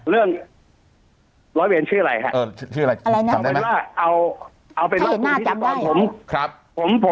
เรื่องร้อยเวรชื่ออะไรชื่ออะไรจำได้มั้ย